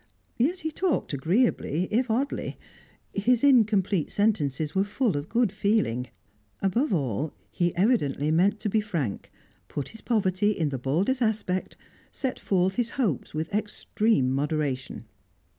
Yet he talked agreeably, if oddly; his incomplete sentences were full of good feeling; above all, he evidently meant to be frank, put his poverty in the baldest aspect, set forth his hopes with extreme moderation.